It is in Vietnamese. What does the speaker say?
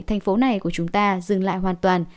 thành phố này của chúng ta dừng lại hoàn toàn